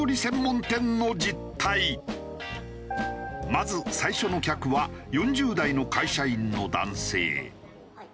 まず最初の客は４０代の会社員の男性。